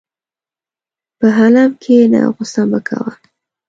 په حلم کښېنه، غوسه مه کوه.